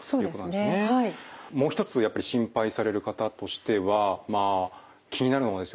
もう一つやっぱり心配される方としてはまあ気になるのがですよ